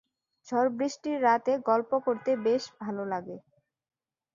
ঝড়বৃষ্টির রাতে গল্প করতে বেশ ভালো লাগে।